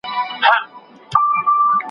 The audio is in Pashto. د خپل ښکار غوښي راوړي تر خپل باداره